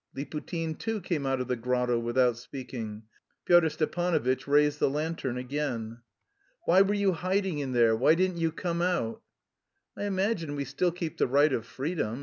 Liputin too came out of the grotto without speaking. Pyotr Stepanovitch raised the lantern again. "Why were you hiding in there? Why didn't you come out?" "I imagine we still keep the right of freedom...